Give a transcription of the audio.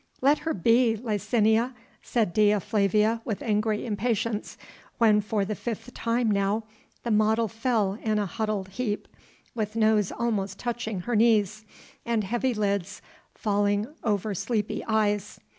"Let her be, Licinia," said Dea Flavia with angry impatience when for the fifth time now the model fell in a huddled heap, with nose almost touching her knees, and heavy lids falling over sleepy eyes.